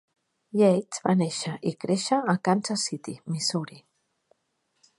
Yates va néixer i créixer a Kansas City, Missouri.